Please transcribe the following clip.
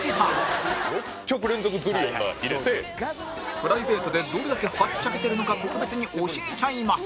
プライベートでどれだけはっちゃけてるのか特別に教えちゃいます